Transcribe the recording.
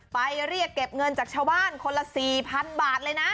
ไปเรียกเก็บเงินจากชาวบ้านคนละ๔๐๐๐บาทเลยนะ